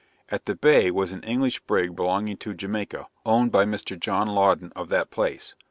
At the Bay was an English brig belonging to Jamaica, owned by Mr. John Louden of that place.